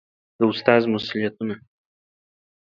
برېښنا هغې ټوکې ته وخندل، چې ما خپل احساسات ګڼل.